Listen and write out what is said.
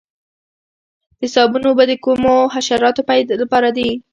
د صابون اوبه د کومو حشراتو لپاره دي؟